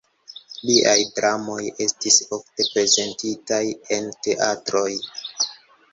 Liaj dramoj estis ofte prezentitaj en teatroj.